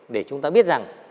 để chúng ta biết rằng